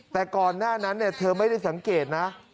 แต่ก่อนหน้านั้นเธอไม่ได้สังเกตนะ